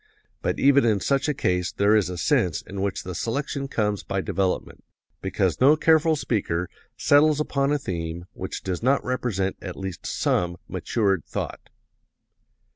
But even in such a case there is a sense in which the selection comes by development, because no careful speaker settles upon a theme which does not represent at least some matured thought."